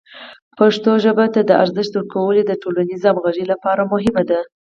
پښتو ژبې ته د ارزښت ورکول د ټولنیزې همغږۍ لپاره مهم دی.